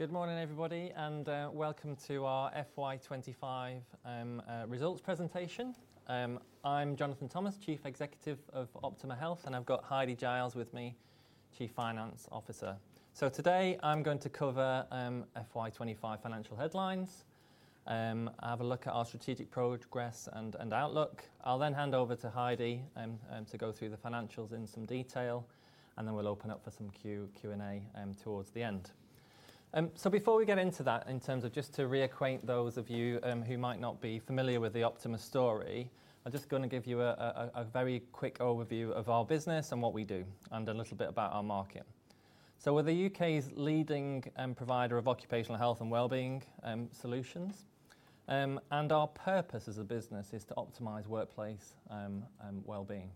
Good morning everybody and welcome to our FY 2025 Results Presentation. I'm Jonathan Thomas Chief Executive of Optima Health and I've got Heidi Giles with me Chief Financial Officer. Today I'm going to cover FY 2025 financial headlines have a look at our strategic progress and outlook. I'll then hand over to Heidi to go through the financials in some detail and then we'll open up for some Q&A towards the end. Before we get into that just to reacquaint those of you who might not be familiar with the Optima story I'm just going to give you a very quick overview of our business and what we do and a little bit about our market. We're the U.K.'s leading provider of occupational health and wellbeing solutions and our purpose as a business is to optimize workplace wellbeing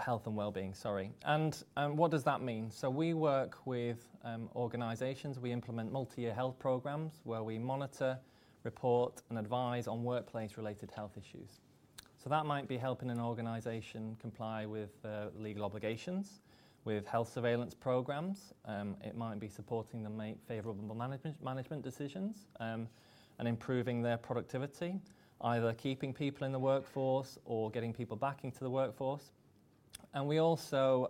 health and wellbeing. Sorry and what does that mean? We work with organizations we implement multi-year health programs where we monitor report and advise on workplace related health issues. That might be helping an organization comply with legal obligations with health surveillance programs it might be supporting them make favorable management decisions and improving their productivity either keeping people in the workforce or getting people back into the workforce. We also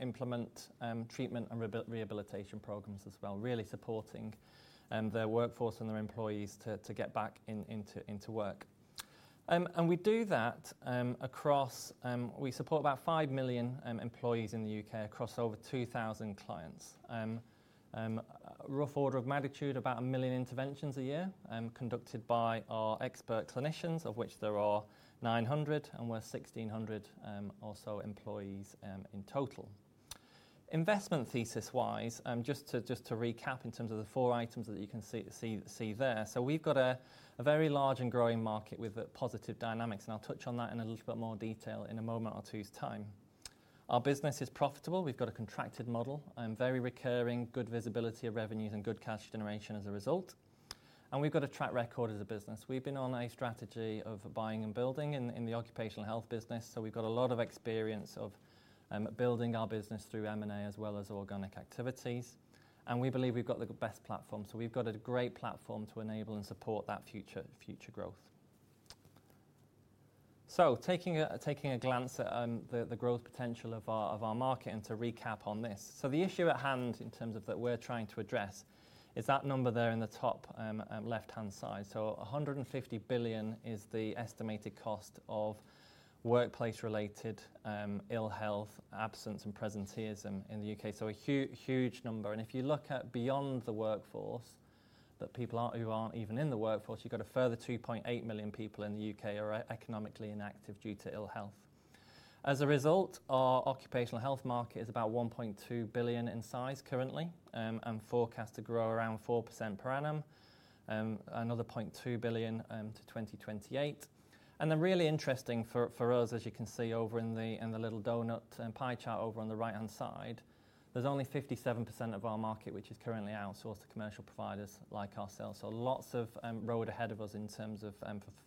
implement treatment and rehabilitation programs as well really supporting their workforce and their employees to get back into work. We support about 5 million employees in the U.K. across over 2,000 clients rough order of magnitude about 1 million interventions a year conducted by our expert clinicians of which there are 900 and we're 1,600 or so employees in total. Investment thesis wise just to recap in terms of the four items that you can see there we've got a very large and growing market with positive dynamics. I'll touch on that in a little bit more detail in a moment or two's time. Our business is profitable. We've got a contracted model and very recurring good visibility of revenues and good cash generation as a result. We've got a track record as a business. We've been on a strategy of buying and building in the occupational health business. We've got a lot of experience of building our business through M&A as well as organic activities. We believe we've got the best platform. We've got a great platform to enable and support that future growth. Taking a glance at the growth potential of our market and to recap on this the issue at hand in terms of that we're trying to address is that number there in the top left-hand side. 150 billion is the estimated cost of workplace-related ill health absence and presenteeism in the U.K. a huge number. If you look beyond the workforce the people who aren't even in the workforce you've got a further 2.8 million people in the U.K. who are economically inactive due to ill health. As a result our occupational health market is about 1.2 billion in size currently and forecast to grow around 4% per annum another 0.2 billion to 2028. Really interesting for us as you can see over in the little donut pie chart over on the right-hand side there's only 57% of our market which is currently outsourced to commercial providers like ourselves. Lots of road ahead of us in terms of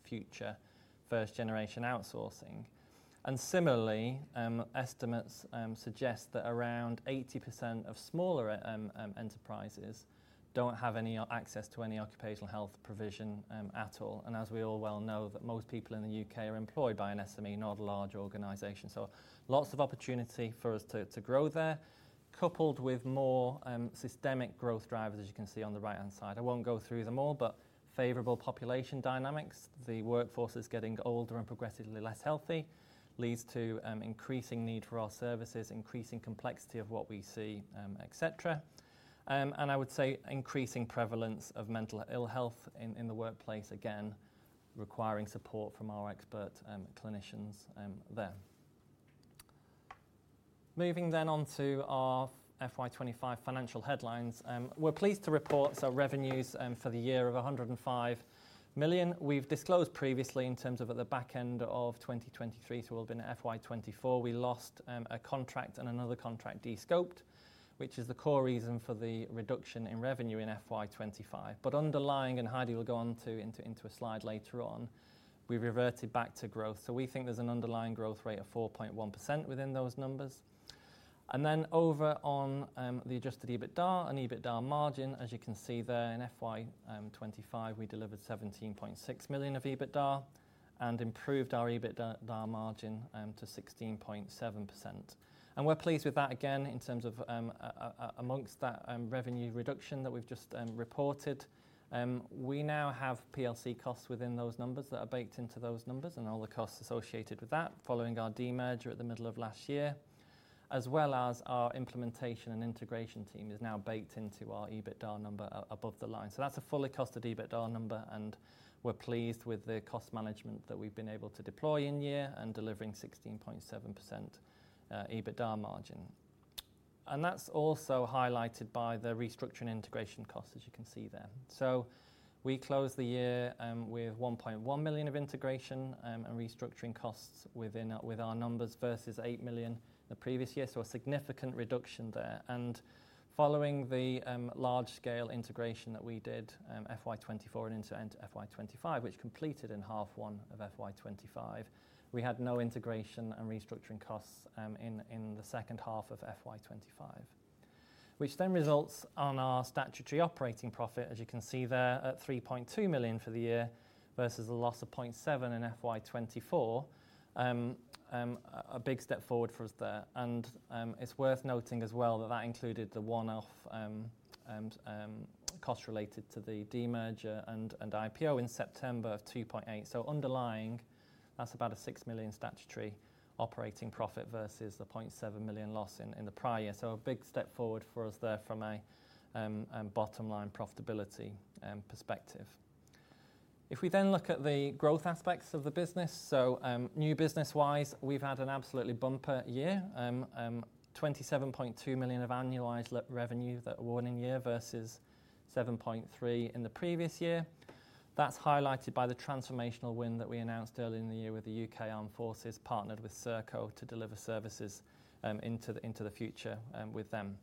future first-generation outsourcing. Similarly estimates suggest that around 80% of smaller enterprises don't have any access to any occupational health provision at all. As we all well know most people in the U.K. are employed by an SME not a large organization so lots of opportunity for us to grow there coupled with more systemic growth drivers as you can see on the right-hand side. I won't go through them all but favorable population dynamics the workforce is getting older and progressively less healthy leads to increasing need for our services increasing complexity of what we see etc. I would say increasing prevalence of mental ill health in the workplace again requiring support from our expert clinicians there. Moving then onto our FY 2025 financial headlines we're pleased to report revenues for the year of 105 million we've disclosed previously in terms of at the back end of 2023. At FY 2024 we lost a contract and another contract was descoped which is the core reason for the reduction in revenue in FY 2025. Underlying and Heidi will go into a slide later on we've reverted back to growth. We think there's an underlying growth rate of 4.1% within those numbers. Over on the adjusted EBITDA and EBITDA margin as you can see there in FY 2025 we delivered 17.6 million of EBITDA and improved our EBITDA margin to 16.7%. We're pleased with that again in terms of amongst that revenue reduction that we've just reported. We now have PLC costs within those numbers that are baked into those numbers and all the costs associated with that. Following our demerger at the middle of last year as well as our implementation and integration team is now baked into our EBITDA number above the line. That's a fully costed EBITDA number and we're pleased with the cost management that we've been able to deploy in year and delivering 16.7% EBITDA margin. That's also highlighted by the restructuring integration costs as you can see there. We closed the year with 1.1 million of integration and restructuring costs with our numbers versus 8 million the previous year a significant reduction there. Following the large scale integration that we did FY 2024 and into FY 2025 which completed in half one of FY 2025 we had no integration and restructuring costs in the second half of FY 2025 which then results on our statutory operating profit as you can see there at 3.2 million for the year versus a loss of 0.7 million in FY 2024. A big step forward for us there. It's worth noting as well that that included the one-off cost related to the demerger and IPO in September of 2.8 million. Underlying that's about a 6 million statutory operating profit versus the 0.7 million loss in the prior year. A big step forward for us there from a bottom line profitability perspective if we then look at the growth aspects of the business. New business wise we've had an absolutely bumper year. 27.2 million of annualized revenue that awarding year versus 7.3 million in the previous year. That's highlighted by the transformational win that we announced earlier in the year with the UK Armed Forces part with Serco to deliver services into the future with them.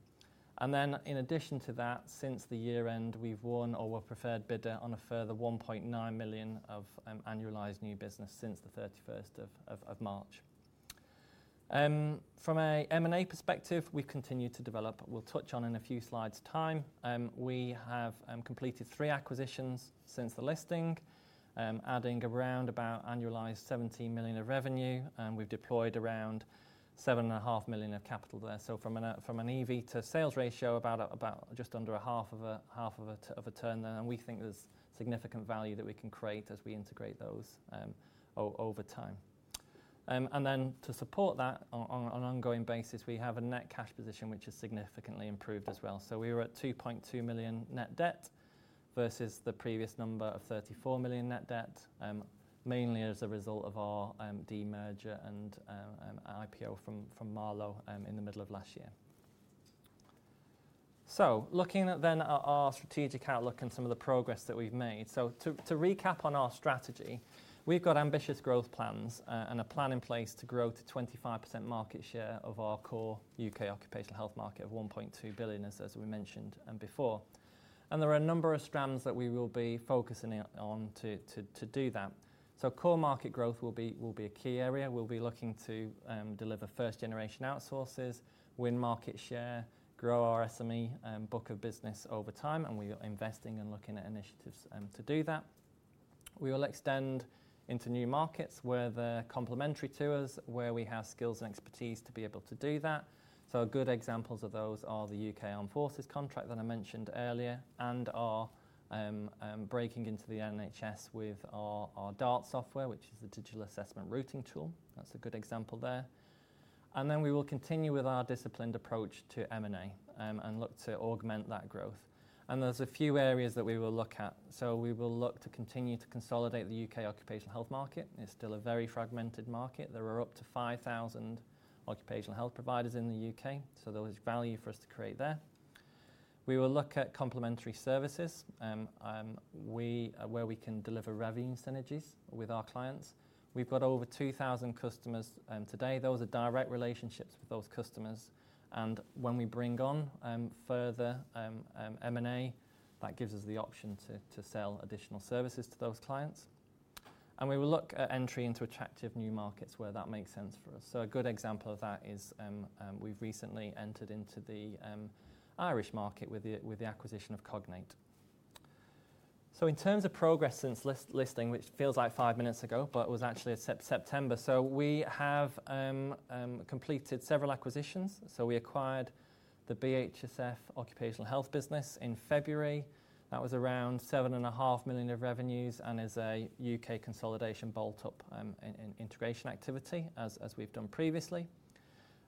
In addition to that since the year-end we've won or were preferred bidder on a further 1.9 million of annualized new business since 31st of March. From an M&A perspective we continue to develop. We'll touch on in a few slides time. We have completed three acquisitions since the listing adding around about annualized 17 million of revenue and we've deployed around 7.5 million of capital there. From an EV to sales ratio about just under a half of a turn there. We think there's significant value that we can create as we integrate those over time. To support that on an ongoing basis we have a net cash position which is significantly improved as well. We were at 2.2 million net debt versus the previous number of 34 million net debt mainly as a result of our demerger and IPO from Marlowe in the middle of last year. Looking at our strategic outlook and some of the progress that we've made to recap on our strategy we've got ambitious growth plans and a plan in place to grow to 25% market share of our core U.K. occupational health market of 1.2 billion as we mentioned before. There are a number of strands that we will be focusing on to do that. Core market growth will be a key area. We'll be looking to deliver first generation outsources win market share grow our SME and book of business over time. We are investing and looking at initiatives to do that. We will extend into new markets where they're complementary to us where we have skills and expertise to be able to do that. Good examples of those are the UK Armed Forces contract that I mentioned earlier and our breaking into the NHS with our DART software which is Digital Assessment Routing Tool. That's a good example there. We will continue with our disciplined approach to M&A and look to augment that growth. There are a few areas that we will look at. We will look to continue to consolidate the U.K. occupational health market. It's still a very fragmented market. There are up to 5,000 occupational health providers in the U.K. so there is value for us to create there. We will look at complementary services where we can deliver revenue synergies with our clients. We've got over 2,000 customers. Today those are direct relationships with those customers. When we bring on further M&A that gives us the option to sell additional services to those clients and we will look at entry into attractive new markets where that makes sense for us. A good example of that is we've recently entered into the Irish market with the acquisition of Cognate. In terms of progress since listing which feels like five minutes ago but was actually September we have completed several acquisitions. We acquired the BHSF occupational health business in February. That was around 7.5 million of revenues and is a U.K. consolidation bolt-up integration activity as we've done previously.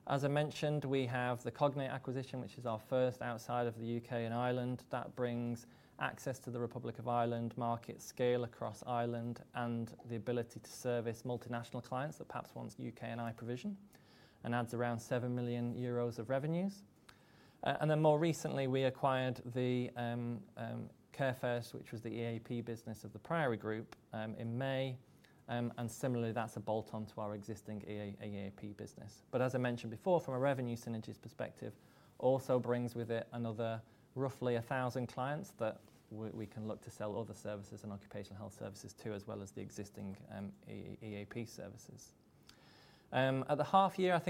As I mentioned we have the Cognate acquisition which is our first outside of the U.K. in Ireland. That brings access to the Republic of Ireland market scale across Ireland and the ability to service multinational clients that perhaps want UK&I provision and adds around 7 million euros of revenues. More recently we acquired Care first which was the EAP business of the Priory Group in May. Similarly that's a bolt-on to our existing EAP business but as I mentioned before from a revenue synergies perspective also brings with it another roughly 1,000 clients that we can look to sell other services and occupational health services to as well as the existing EAP services. At the half year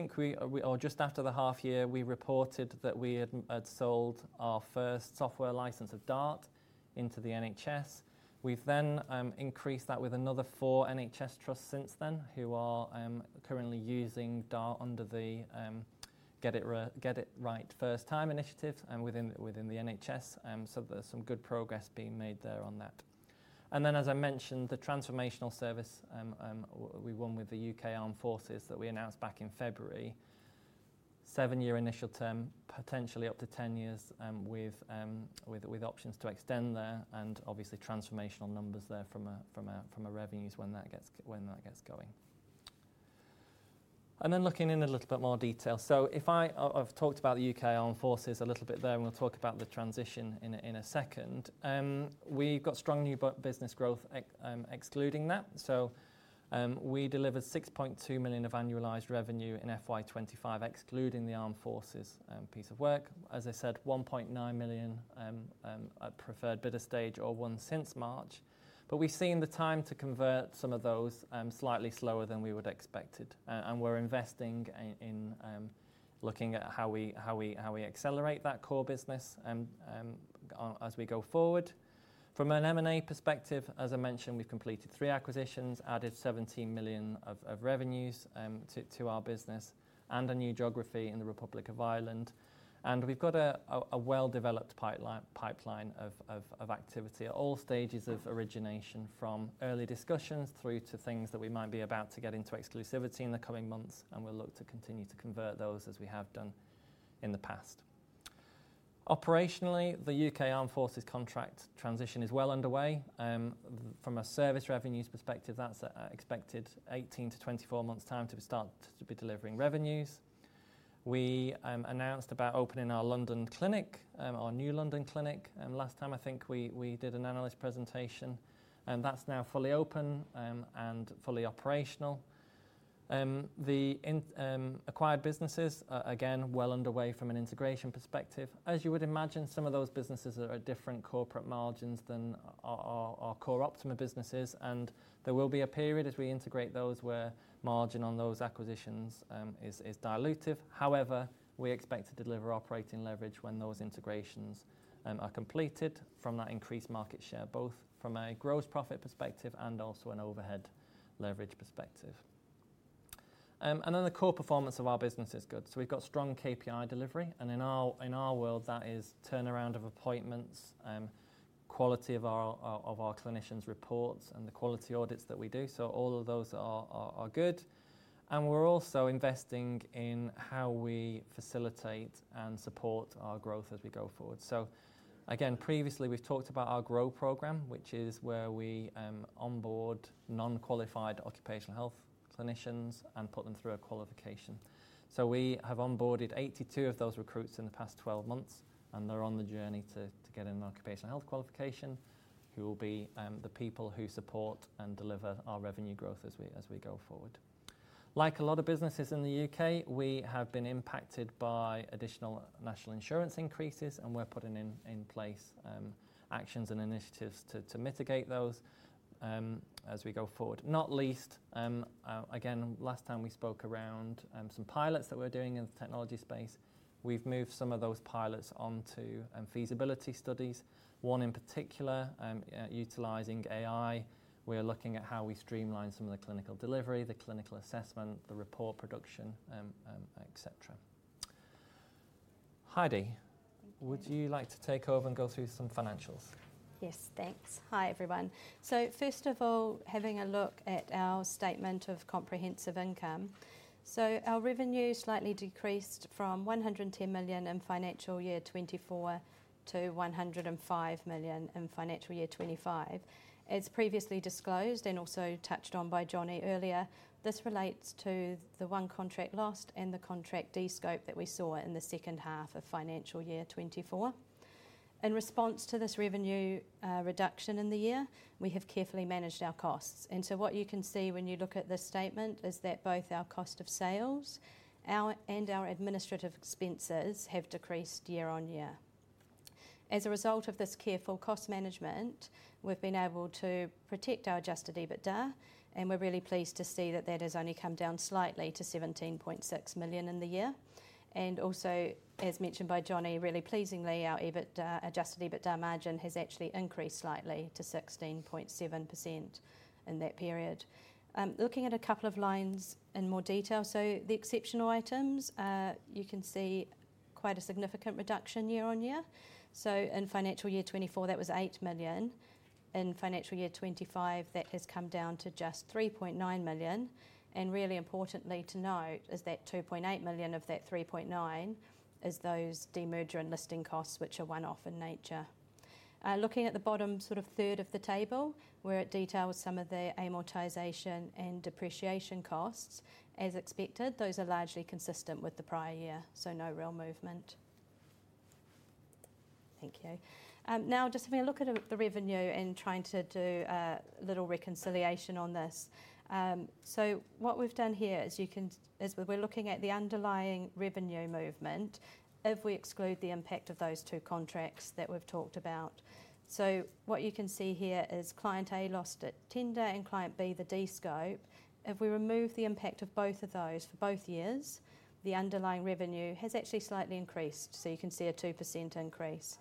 or just after the half year we reported that we had sold our first software license of DART into the NHS. We've then increased that with another four NHS trusts since then who are currently using DART under the Get It Right First Time initiative and within the NHS. There's some good progress being made there on that. As I mentioned the transformational service we won with the UK Armed Forces that we announced back in February seven-year initial term potentially up to 10 years with options to extend there and obviously transformational numbers there from a revenues when that gets going and then looking in a little bit more detail. If I've talked about the UK Armed Forces a little bit there and we'll talk about the transition in a second we've got strong new business growth excluding that. We deliver 6.2 million of annualized revenue in FY 2025 excluding the Armed Forces piece of work. As I said 1.9 million at preferred bidder stage or one since March. We've seen the time to convert some of those slightly slower than we would have expected and we're investing in looking at how we accelerate that core business as we go forward. From an M&A perspective as I mentioned we've completed three acquisitions added 17 million of revenues to our business and a new geography in the Republic of Ireland. We've got a well-developed pipeline of activity at all stages of origination from early discussions through to things that we might be about to get into exclusivity in the coming months. We'll look to continue to convert those as we have done in the past. Operationally the UK Armed Forces contract transition is well underway from a service revenues perspective. That's expected 18 months-24 months' time to start to be delivering revenues. We announced about opening our London clinic our new London clinic and last time I think we did an analyst presentation and that's now fully open and fully operational. The acquired businesses again well underway from an integration perspective. As you would imagine some of those businesses are at different corporate margins than our core Optima businesses and there will be a period as we integrate those where margin on those acquisitions is dilutive. However we expect to deliver operating leverage when those integrations are completed from that increased market share both from a gross profit perspective and also an overhead leverage perspective. The core performance of our business is good. We've got strong KPI delivery and in our world that is turnaround of appointments quality of our clinicians' reports and the quality audits that we do. All of those are good. We're also investing in how we facilitate and support our growth as we go forward. Previously we've talked about our GROW program which is where we onboard non-qualified occupational health clinicians and put them through a qualification. We have onboarded 82 of those recruits in the past 12 months and they're on the journey to get an occupational health qualification who will be the people who support and deliver our revenue growth as we go forward. Like a lot of businesses in the U.K. we have been impacted by additional national insurance increases and we're putting in place actions and initiatives to mitigate those as we go forward. Not least last time we spoke around some pilots that we're doing in the technology space. We've moved some of those pilots onto feasibility studies. One in particular utilizing AI. We are looking at how we streamline some of the clinical delivery the clinical assessment the report production etc. Heidi would you like to take over and go through some financials? Yes thanks. Hi everyone. First of all having a look at our statement of comprehensive income. Our revenue slightly decreased from 110 million in financial year 2024 to 105 million in financial year 2025. As previously disclosed and also touched by Jonny earlier this relates to the one contract lost and the contract descoping that we saw in the second half of financial year 2024. In response to this revenue reduction in the year we have carefully managed our costs. What you can see when you look at this statement is that both our cost of sales and our administrative expenses have decreased year-on-year. As a result of this careful cost management we've been able to protect our adjusted EBITDA and we're really pleased to see that that is only down slightly to 17.6 million in the year. Also as mentioned by Jonny really pleasingly our adjusted EBITDA margin has actually increased slightly to 16.7% in that period. Looking at a couple of lines in more detail the exceptional items you can see quite a significant reduction year-on-year. In financial year 2024 that was 8 million. In financial year 2025 that has come down to just 3.9 million. Really importantly to note is that 2.8 million of that 3.9 million is those demerger and listing costs which are one-off in nature. Looking at the bottom sort of third of the table where it details some of the amortization and depreciation costs. As expected those are largely consistent with the prior year. No real movement. Thank you. Now just having a look at the revenue and trying to do a little reconciliation on this. What we've done here is we're looking at the underlying revenue movement if we exclude the impact of those two contracts that we've talked about. What you can see here is client A lost at tender and client B the descope. If we remove the impact of both of those for both years the underlying revenue has actually slightly increased. You can see a 2% increase.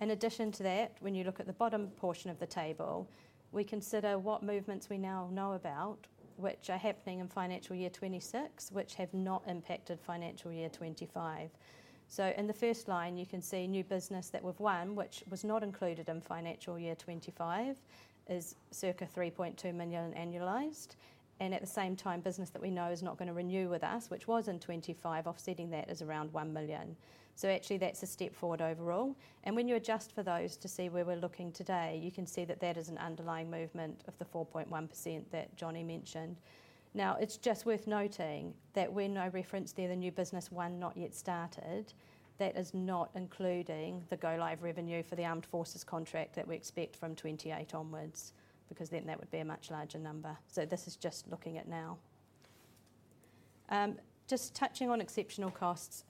In addition to that when you look at the bottom portion of the table we consider what movements we now know about which are happening in financial year 2026 which have not impacted financial year 2025. In the first line you can see new business that we've won which was not included in financial year 2025 is circa 3.2 million annualized. At the same time business that we know is not going to renew with us which was in 2025 offsetting that is around 1 million. Actually that's a step forward overall. When you adjust for those to see where we're looking today you can see that that is an underlying movement of the 4.1% that Jonny mentioned. It's just worth noting that there's no reference there the new business one not yet started that is not including the go live revenue for the Armed Forces contract that we expect from 2028 onwards because then that would be a much larger number. This is just looking at now. Just touching on exceptional costs.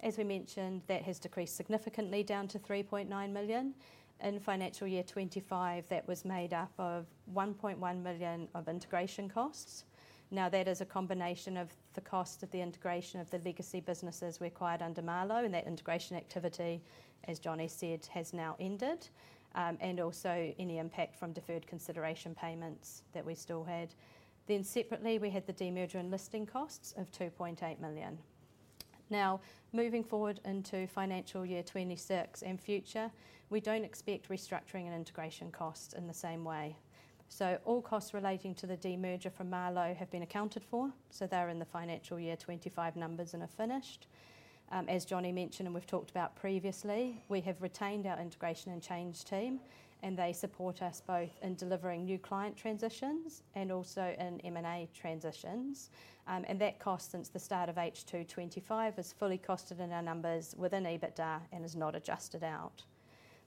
As we mentioned that has decreased significantly down to 3.9 million in financial year 2025 that was made up of 1.1 million of integration costs. That is a combination of the cost of the integration of the legacy businesses we acquired under Marlowe and that integration activity as Jonny said has now ended. Also any impact from deferred consideration payments that we still had then separately we had the demerger and listing costs of 2.8 million. Moving forward into financial year 2026 and future we don't expect restructuring and integration costs in the same way. All costs relating to the demerger from Marlowe have been accounted for. They're in the financial year 2025 numbers and are finished. As Jonny mentioned and we've talked about previously we have retained our integration and change team and they support us both in delivering new client transitions and also in M&A transitions. That cost since the start of H2 2025 is fully costed in our numbers within EBITDA and is not adjusted out.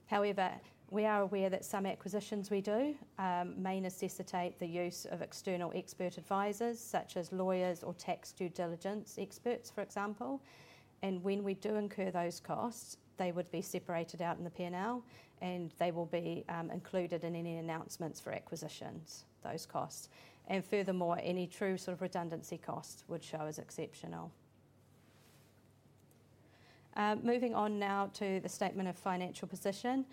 However we are aware that some acquisitions we do may necessitate the use of external expert advisors such as lawyers or tax due diligence experts for example. When we do incur those costs they would be separated out in the P&L and they will be included in any announcements for acquisitions those costs and furthermore any true sort of redundancy costs would show as exceptional. Moving on now to the statement of financial position.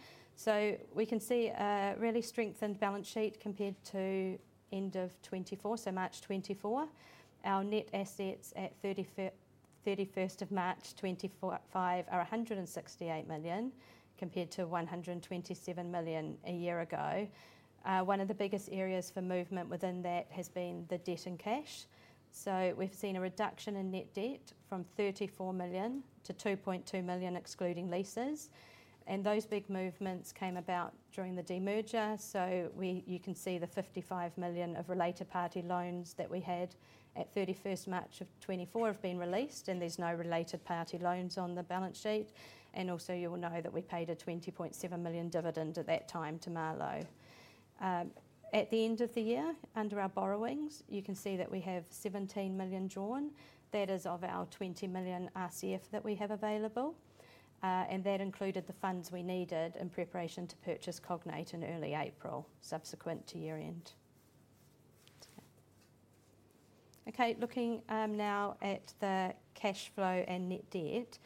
We can see a really strengthened balance sheet compared to end of 2024. March 2024 our net assets at 31st of March 2025 are 168 million compared to 127 million a year ago. One of the biggest areas for movement within that has been the debt and cash. We've seen a reduction in net debt from 34 million to 2.2 million excluding leases. Those big movements came about during the demerger. You can see the 55 million of related party loans that we had at 31st March of 2024 have been released and there's no related party loans on the balance sheet. Also you'll know that we paid a 20.7 million dividend at that time to Marlowe. At the end of the year under our borrowings you can see that we have 17 million drawn that is of our 20 million RCF that we have available. That included the funds we needed in preparation to purchase Cognate in early April subsequent to year end. Looking now at the cash flow and net debt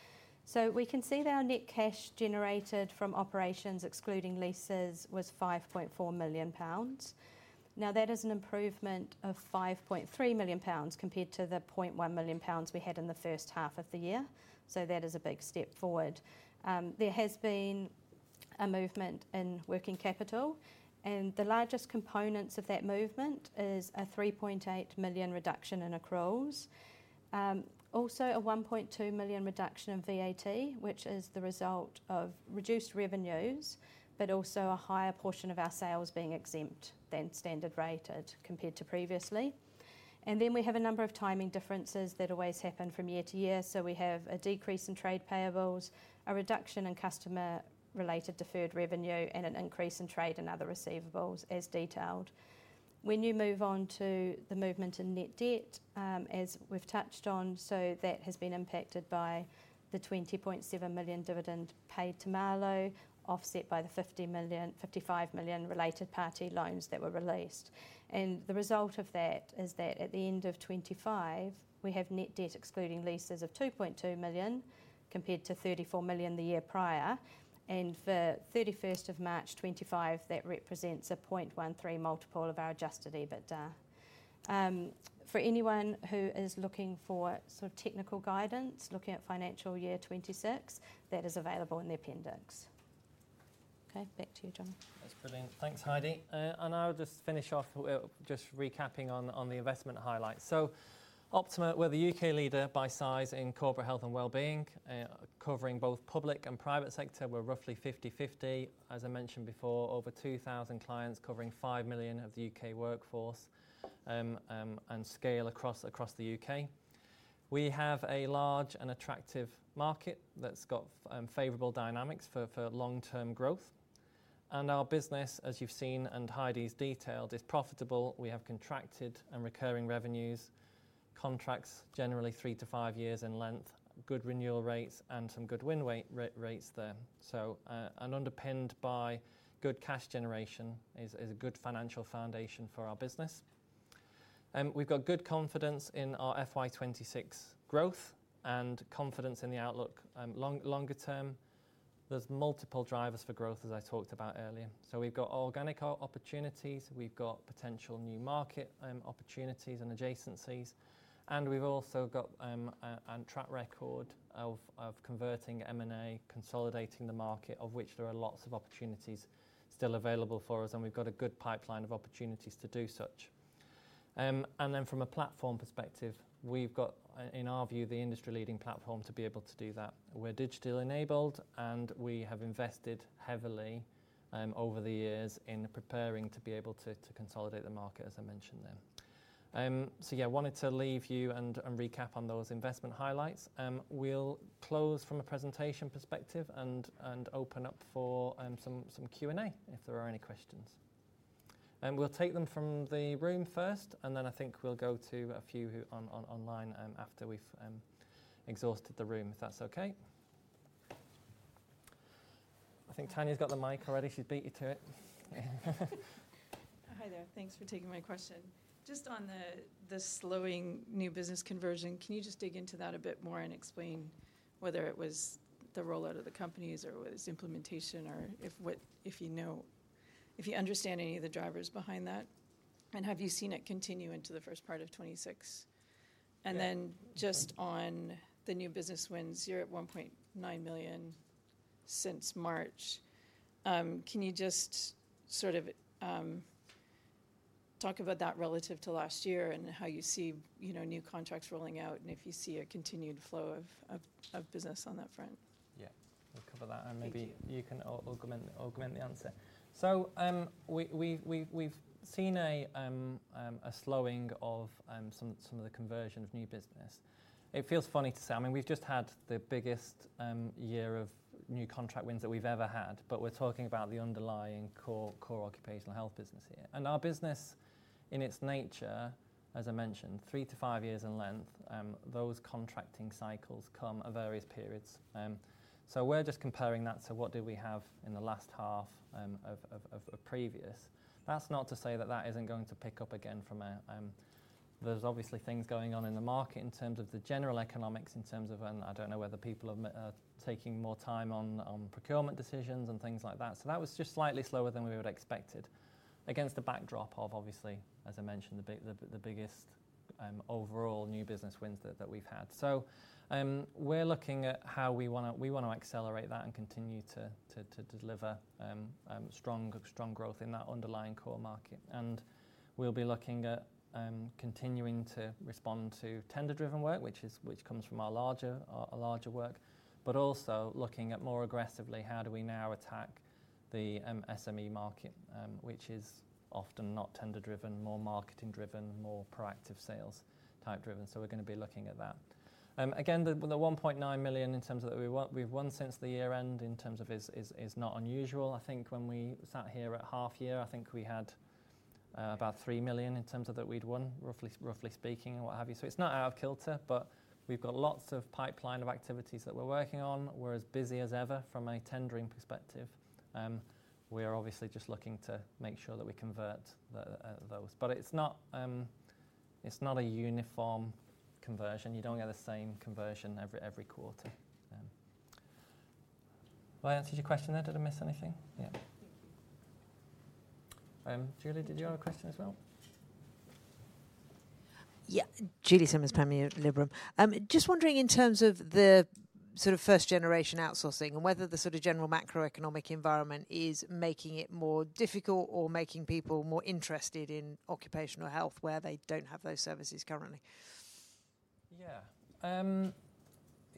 we can see that our net cash generated from operations excluding leases was 5.4 million pounds. That is an improvement of 5.3 million pounds compared to the 0.1 million pounds we had in the first half of the year. That is a big step forward. There has been a movement in working capital and the largest components of that movement are a 3.8 million reduction in accruals also a 1.2 million reduction in VAT which is the result of reduced revenues but also a higher portion of our sales being exempt than standard rated compared to previously. We have a number of timing differences that always happen from year-to-year. We have a decrease in trade payables a reduction in customer related deferred revenue and an increase in trade and other receivables as detailed. When you move on to the movement in net debt as we've touched on that has been impacted by the 20.7 million dividend paid to Marlowe offset by the 55 million related party loans that were released. The result of that is that at the end of 2025 we have net debt excluding leases of 2.2 million compared to 34 million the year prior. For 31st of March 2025 that represents a 0.13 multiple of our adjusted EBITDA. For anyone who is looking for technical guidance looking at financial year 2026 that is available in the appendix. Okay back to you Jon. That's brilliant. Thanks Heidi. I'll just finish off just recapping on the investment highlights. Optima we're the U.K. leader by size in corporate health and wellbeing covering both public and private sector. We're roughly 50/50 as I mentioned before over 2,000 clients covering 5 million of the U.K. workforce and scale across the U.K. We have a large and attractive market that's got favorable dynamics for long-term growth and our business as you've seen and Heidi's detailed is profitable. We have contracted and recurring revenues contracts generally three years-five years in length good renewal rates and some good win rates there. Underpinned by good cash generation it is a good financial foundation for our business. We've got good confidence in our FY 2026 growth and confidence in the outlook. Longer term there's multiple drivers for growth as I talked about earlier. We've got organic opportunities we've got potential new market opportunities and adjacencies and we've also got a track record of converting M&A consolidating the market of which there are lots of opportunities still available for us and we've got a good pipeline of opportunities to do such. From a platform perspective we've got in our view the industry-leading platform to be able to do that. We're digital enabled and we have invested heavily over the years in preparing to be able to consolidate the market as I mentioned there. I wanted to leave you and recap on those investment highlights. We'll close from a presentation perspective and open up for some Q&A if there are any questions and we'll take them from the room first. I think we'll go to a few online after we've exhausted the room if that's okay. I think Tanya's got the mic already. She'd beat you to it. Hi there thanks for taking my question. Just on the slowing new business conversion can you dig into that a bit more and explain whether it was the rollout of the companies or it was implementation or if you understand any of the drivers behind that? Have you seen it continue into the first part of 2026? Just on the new business wins you're at 1.9 million since March. Can you talk about that relative to last year and how you see new contracts rolling out and if you see a continued flow of business on that front? Yeah we'll cover that and maybe you can augment the answer. We've seen a slowing of some of the conversion of new business. It feels funny to say. I mean we've just had the biggest year of new contract wins that we've ever had. We're talking about the underlying core occupational health business here and our business in its nature as I mentioned three years-five years in length. Those contracting cycles come at various periods. We're just comparing that to what did we have in the last half of previous. That's not to say that isn't going to pick up again. There's obviously things going on in the market in terms of the general economics. I don't know whether people have been taking more time on procurement decisions and things like that. That was just slightly slower than we would have expected against the backdrop of as I mentioned the biggest overall new business wins that we've had. We're looking at how we want to accelerate that and continue to deliver strong growth in that underlying core market. We'll be looking at continuing to respond to tender driven work which comes from our larger work but also looking at more aggressively how do we now attack the SME market which is often not tender driven more marketing driven more proactive sales type driven. We're going to be looking at that again. The 1.9 million in terms of that we've won since the year end is not unusual. I think when we sat here at half year I think we had about 3 million that we'd won roughly speaking and what have you. It's not out of kilter. We've got lots of pipeline of activities that we're working on. We're as busy as ever from a tendering perspective. We're obviously just looking to make sure that we convert those. It's not a uniform conversion. You don't get the same conversion every quarter. Did I answer your question there? Did I miss anything? Yeah. Julie did you have a question as well? Yeah Julie Simmonds Panmure Liberum. Just wondering in terms of the sort of first generation outsourcing and whether the sort of general macroeconomic environment is making it more difficult or making people more interested in occupational health where they don't have those services currently.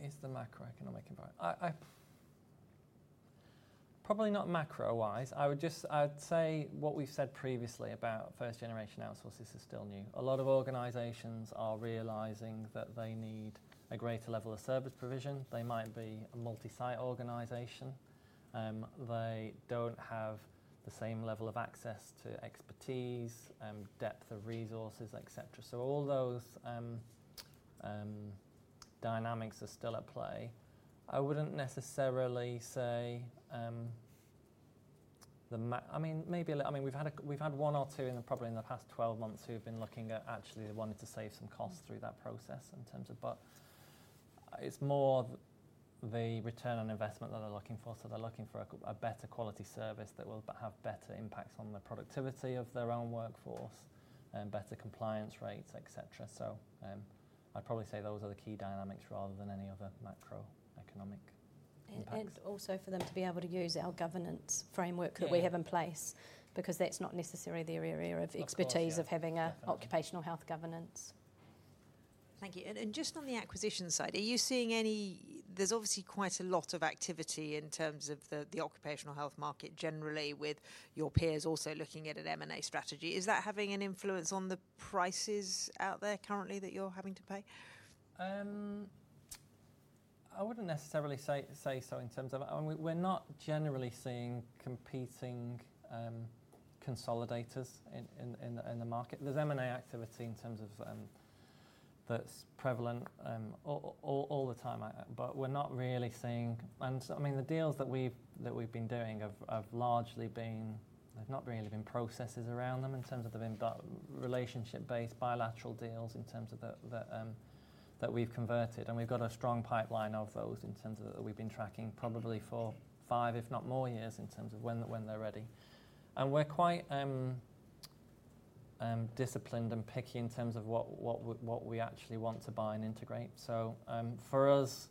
Is the macroeconomic environment? Probably not macro wise. I would just say what we've said previously about first generation outsources are still new. A lot of organizations are realizing that they need a greater level of service provision. They might be a multi-site organization they don't have the same level of access to expertise and depth of resources etc. All those dynamics are still at play. I wouldn't necessarily say I mean maybe I mean we've had one or two in probably in the past 12 months who have been looking at actually they wanted to save some costs through that process in terms of. It's more the return on investment that they're looking for. They're looking for a better quality service that will have better impacts on the productivity of their own workforce and better compliance rates etc. I'd probably say those are the key dynamics rather than any other macroeconomic impact. For them to be able to use our governance framework that we have in place because that's not necessarily their area of expertise of having an occupational health governance. Thank you. Just on the acquisition side are you seeing any? There's obviously quite a lot of activity in terms of the occupational health market generally with your peers also looking at an M&A strategy. Is that having an influence on the prices out there currently that you're having to pay? I wouldn't necessarily say so in terms of we're not generally seeing competing consolidators in the market. There's M&A activity in terms of that's prevalent all the time but we're not really seeing and I mean the deals that we've been doing have largely been there's not really been processes around them in terms of the relationship-based bilateral deals that we've converted and we've got a strong pipeline of those. We've been tracking probably for five if not more years when they're ready and we're quite disciplined and picky in terms of what we actually want to buy and integrate. For us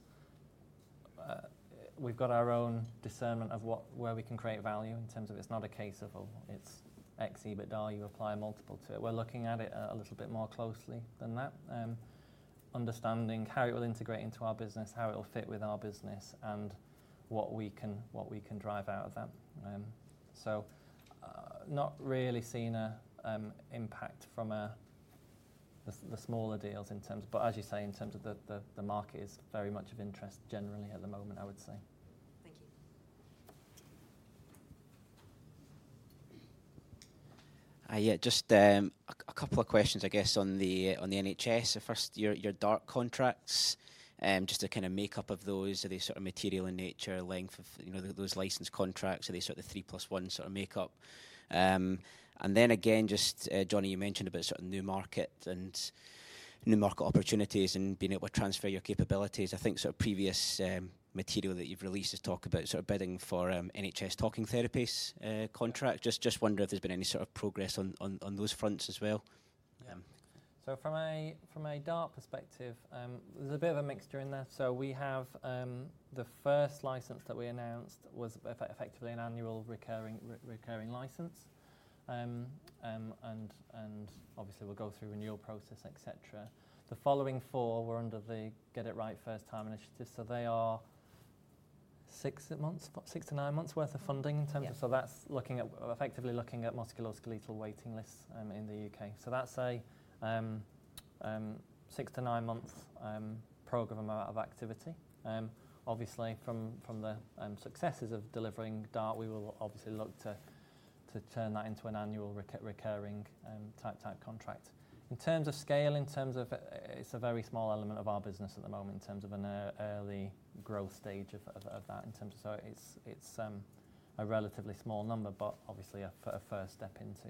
we've got our own discernment of where we can create value. It's not a case of it's X EBITDA you apply a multiple to it. We're looking at it a little bit more closely than that understanding how it will integrate into our business how it'll fit with our business and what we can drive out of that. Not really seen an impact from the smaller deals. As you say the market is very much of interest generally at the moment I would say. Thank you. Yeah. Just a couple of questions I guess on the NHS. First your DART contracts just a kind of makeup of those. Are they sort of material in nature? Length of you know those license contracts are they sort of the three + one sort of makeup? Jonny you mentioned about new market and new market opportunities and being able to transfer your capabilities. I think sort of previous material that you've released to talk about sort of bidding for NHS talking therapies contract. Just wonder if there's been any sort of progress on those fronts as well. From a DART perspective there's a bit of a mixture in there. The first license that we announced was effectively an annual recurring license and obviously we'll go through renewal process etc. The following four were under the Get It Right First Time initiative so they are six months-nine months worth of funding. That's effectively looking at musculoskeletal waiting lists in the U.K. That's a six months-nine months program of activity. Obviously from the successes of delivering DART we will look to turn that into an annual recurring type contract. In terms of scale it's a very small element of our business at the moment in terms of an early growth stage of that. It's a relatively small number but obviously a first step into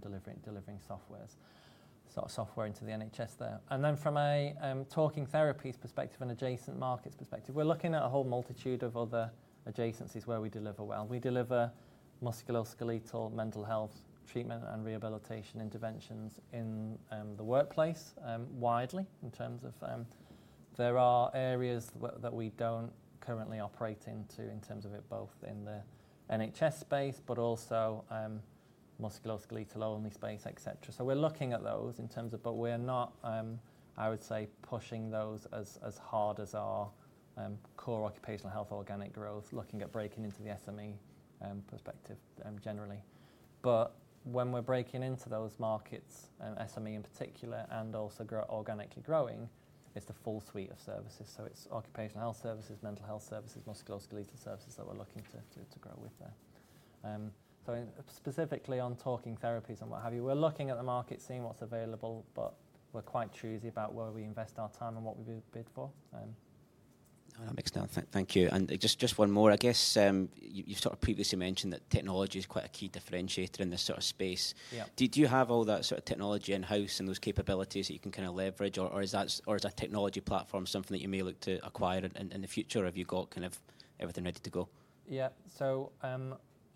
delivering software into the NHS there. From a talking therapies perspective and adjacent markets perspective we're looking at a whole multitude of other adjacencies where we deliver. We deliver musculoskeletal mental health treatment and rehabilitation interventions in the workplace widely. There are areas that we don't currently operate into both in the NHS space but also musculoskeletal-only space etc. We're looking at those. We're not I would say pushing those as hard as our core occupational health organic growth looking at breaking into the SME perspective generally. When we're breaking into those markets SME in particular and also organically growing it's the full suite of services. It's occupational health services mental health services musculoskeletal services that we're looking to grow with. Specifically on talking therapies and what have you we're looking at the market seeing what's available but we're quite choosy about where we invest our time and what we bid for. That makes sense. Thank you. Just one more you sort of previously mentioned that technology is quite a key differentiator in this sort of space. Did you have all that sort of technology in house and those capabilities that you can kind of leverage or is that technology platform something that you may look to acquire in the future? Have you got kind of everything ready to go? Yeah.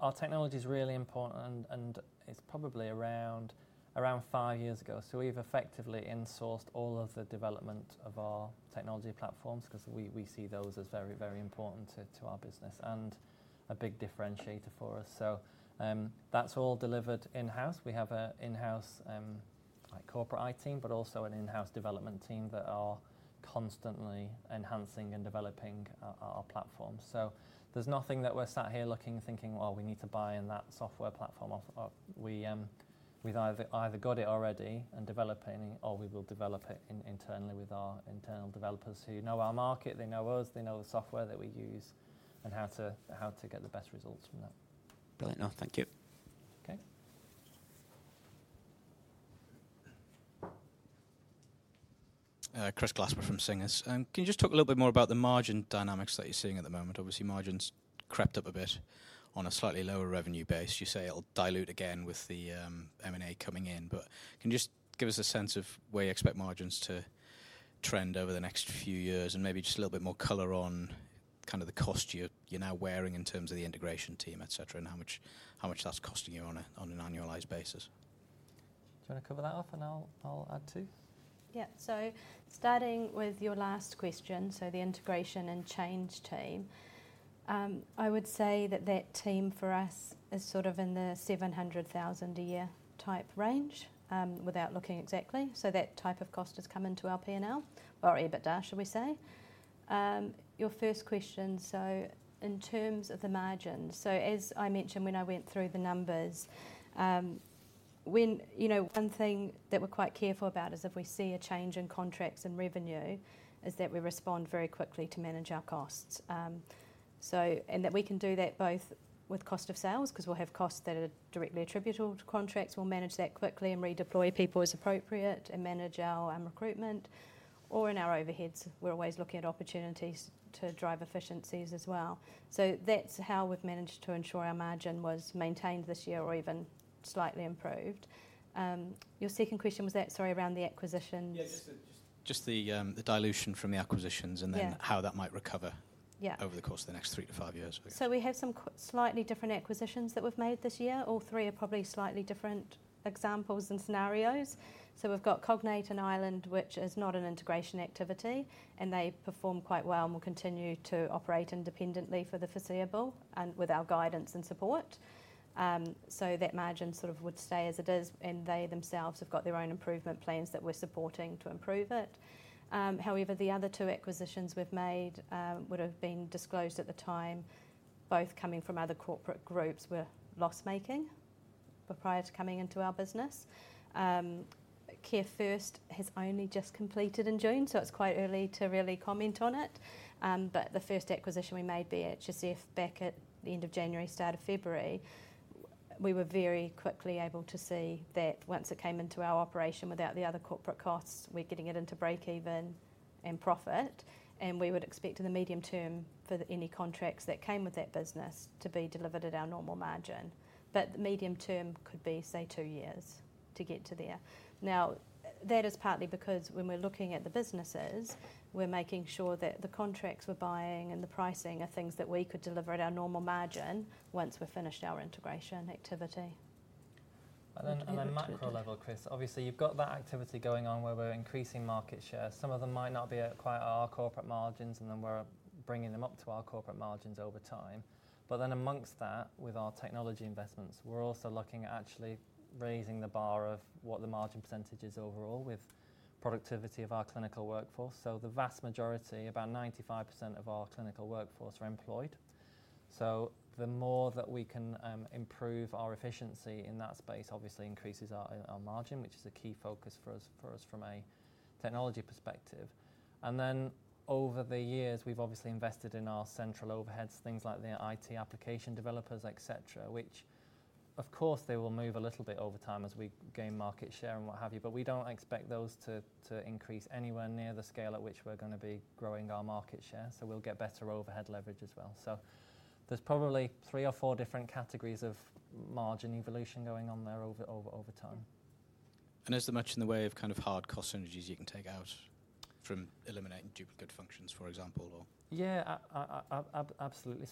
Our technology is really important and it's probably around five years ago. We've effectively insourced all of the development of our technology platforms because we see those as very very important to our business and a big differentiator for us. That's all delivered in house. We have an in-house corporate IT team but also an in-house development team that are constantly enhancing and developing our platform. There's nothing that we're here looking thinking we need to buy in that software platform. We've either got it already and developing it or we will develop it internally with our internal developers who know our market they know us they know the software that we use and how to get the best results from that. Fair enough. Thank you. Okay. Chris Glasper from Singer. Can you just talk a little bit more about the margin dynamics that you're seeing at the moment? Obviously margins crept up a bit on a slightly lower revenue base. You say it'll dilute again with the M&A coming in but can you just give us a sense of where you expect margins to trend over the next few years and maybe just a little bit more color on kind of the cost you're now wearing in terms of the integration team etc. and how much that's costing you on an annualized basis? Do you want to cover that off and I'll add too? Yeah. Starting with your last question the integration and change team I would say that that team for us is sort of in the 700,000 a year type range without looking exactly. That type of cost has come into our P&L or EBITDA should we say. Your first question in terms of the margin as I mentioned when I went through the numbers one thing that we're quite careful about is if we see a change in contracts and revenue we respond very quickly to manage our costs. We can do that both with cost of sales because we'll have costs that are directly attributable to contracts. We'll manage that quickly and redeploy people as appropriate and manage our recruitment or in our overheads. We're always looking at opportunities to drive efficiencies as well. That's how we've managed to ensure our margin was maintained this year or even slightly improved. Your second question was that sorry around the acquisition. Just the dilution from the acquisitions and then how that might recurring cover over the course of the next three years-five years. We have some slightly different acquisitions that we've made this year. All three are probably slightly different examples and scenarios. We've got Cognate in Ireland which is not an integration activity and they perform quite well and will continue to operate independently for the foreseeable with our guidance and support. That margin would stay as it is and they themselves have got their own improvement plans that we're supporting to improve it. However the other two acquisitions we've made would have been disclosed at the time both coming from other corporate groups were loss making prior to coming into our business. Care first has only just completed in June so it's quite early to really comment on it. The first acquisition we made BHSF back at the end of January start of February we were very quickly able to see that once it came into our operation without the other corporate costs we're getting it into break even and profit. We would expect in the medium term for any contracts that came with that business to be delivered at our normal margin. The medium term could be say two years to get to there. That is partly because when we're looking at the businesses we're making sure that the contracts we're buying and the pricing are things that we could deliver at our normal margin once we've finished our integration activity. At the macro level Chris obviously you've got that activity going on where we're increasing market share. Some of them might not be at quite our corporate margins and we're bringing them up to our corporate margins over time. Amongst that with our technology investments we're also looking at actually raising the bar of what the margin percentage is overall with productivity of our clinical workforce. The vast majority about 95% of our clinical workforce are employed. The more that we can improve our efficiency in that space obviously increases our margin which is a key focus for us from a technology perspective. Over the years we've obviously invested in our central overheads things like the IT application developers etc. which of course will move a little bit over time as we gain market share and what have you but we don't expect those to increase anywhere near the scale at which we're going to be growing our market share. We'll get better overhead leverage as well. There are probably three or four different categories of margin evolution going on there over time. Is there much in the way of kind of hard cost synergies you can take out from eliminating duplicate functions for example? Yeah absolutely.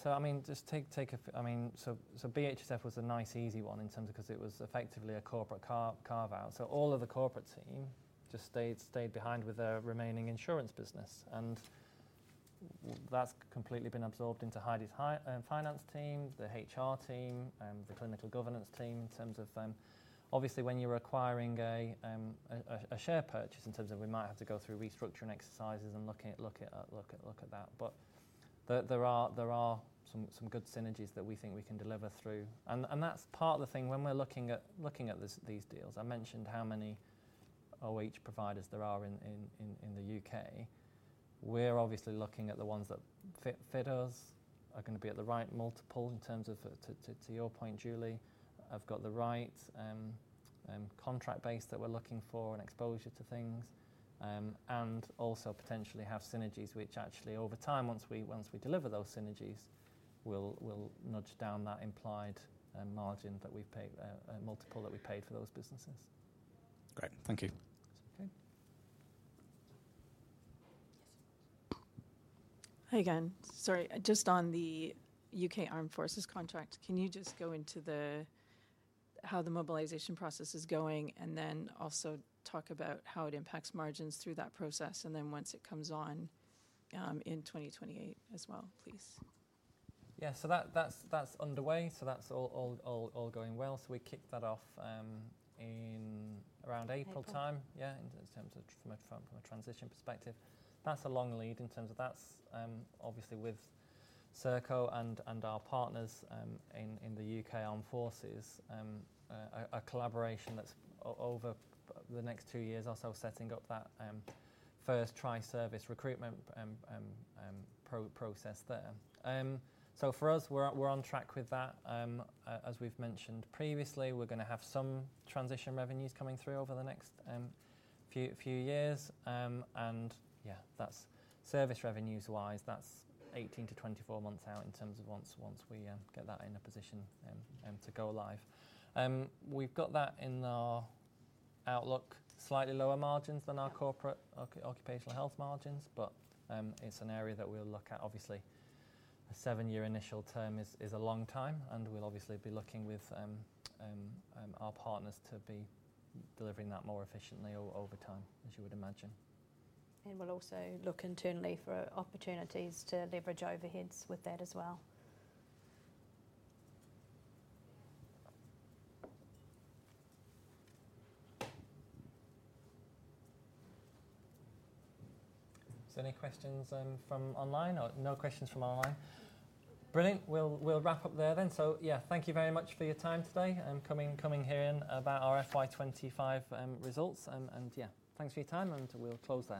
Just take BHSF as a nice easy one in terms because it was effectively a corporate carve out. All of the corporate team just stayed behind with their remaining insurance business and that's completely been absorbed into Heidi's finance team the HR team the clinical governance team. Obviously when you're acquiring a share purchase we might have to go through restructuring exercises and look at that but there are some good synergies that we think we can deliver through. That's part of the thing. When we're looking at these deals I mentioned how many OH providers there are in the U.K. we're obviously looking at the ones that fit us are going to be at the right multiple. To your point Julie I've got the right contract base that we're looking for and exposure to things and also potentially have synergies which actually over time once we deliver those synergies will nudge down that implied margin that we've paid multiple that we paid for those businesses. Great thank you. Hi again. Sorry just on the UK Armed Forces contract can you just go into how the mobilization process is going and then also talk about how it impacts margins through that process and then once it comes on in 2028 as well please. Yeah that's underway. That's all going well. We kicked that off in around April. In terms of a transition perspective that's a long lead in terms of that obviously with Serco and our partners in the UK Armed Forces a collaboration that's over the next two years or so setting up that first tri-service recruitment process there. For us we're on track with that. As we've mentioned previously we're going to have some transition revenues coming through over the next few years and that's service revenues wise. That's 18 months-24 months out. In terms of once we get that in a position to go live we've got that in our outlook. Slightly lower margins than our corporate occupational health margins but it's an area that we'll look at. Obviously a seven-year initial term is a long time and we'll obviously be looking with our partners to be delivering that more efficiently over time as you would imagine. We will also look internally for opportunities to leverage overheads with that as well. Any questions from online? No questions from online. Brilliant. We'll wrap up there then. Thank you very much for your time today coming here about our FY 2025 results. Thanks for your time. We'll close there.